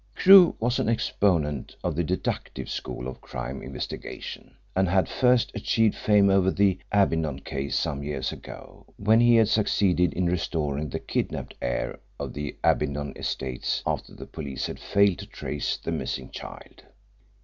Crewe was an exponent of the deductive school of crime investigation, and had first achieved fame over the Abbindon case some years ago, when he had succeeded in restoring the kidnapped heir of the Abbindon estates after the police had failed to trace the missing child.